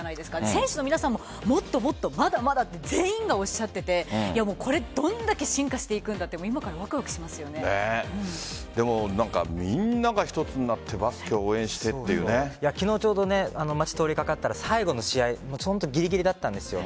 選手の皆さんもまだまだ全員がおっしゃっていてどんだけ進化していくんだとみんなが一つになって昨日、ちょうど通りかかったら最後の試合ぎりぎりだったんですよ。